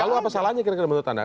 kalau apa salahnya menurut anda